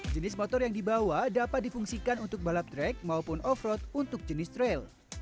jenis motor yang dibawa dapat difungsikan untuk balap drek maupun off road untuk jenis trail